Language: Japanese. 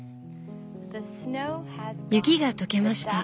「雪が解けました！